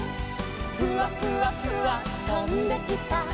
「フワフワフワとんできた」